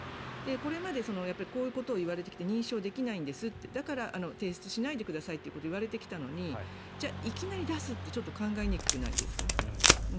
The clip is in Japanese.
これまでこういうことを言われてきて認証できないんですってだから提出しないでくださいと言われてきたのにじゃあ、いきなり出すってちょっと考えにくくないですか。